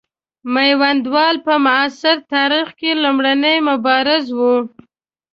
میوندوال په معاصر تاریخ کې لومړنی مبارز وو.